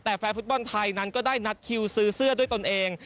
แต่แฟนฟุตบอลไทยนั้นก็ได้นัดคิวซื้อเสื้อด้วยตนเอง